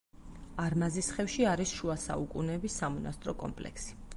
არმაზისხევში არის შუა საუკუნეების სამონასტრო კომპლექსი.